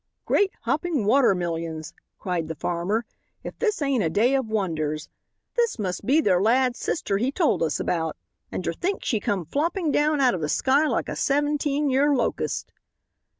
"Great hopping water millions!" cried the farmer, "if this ain't a day of wonders. This must be ther lad's sister he told us about, and ter think she come flopping down out of ther sky like a seventeen y'ar locust."